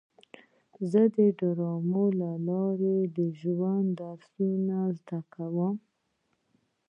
زه د ډرامو له لارې د ژوند درسونه زده کوم.